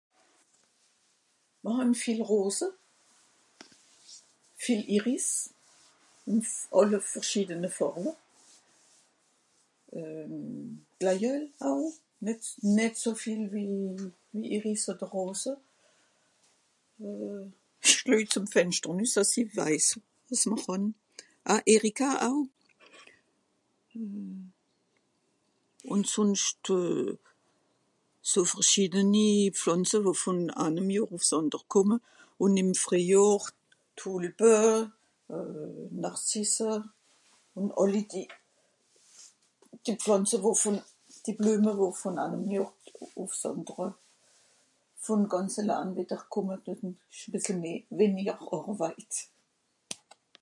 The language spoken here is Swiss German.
Mr hàn viel Rose, viel Iris, ùff àlle verschiedene Fàrwe, euhm Glaïeul, au, nìt, nìt so viel wie... wie Iris oder Rose euh Ìch lüej zem Fenschter nüss, àss I weiss, wàs m'r hàn. Ah Erika au. Ùn sùnscht euh so verschiedeni Pflànze, wo vùn anem Johr ùf 's ànder kùmme. Ùn ìm Frìejohr, Tulpe euh Narcisse ùn àlli die... die Pflànze wo vùn, die Blueme wo vùn anem Johr ùf 's àndere, vùn gànz elaan wìdder kùmme, dis isch e bissel meh... weniger Àrweit.